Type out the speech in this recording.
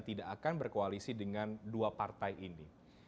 tidak akan berkoalisi dengan dua partai ini